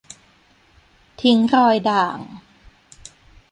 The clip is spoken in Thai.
ทิ้งรอยด่าง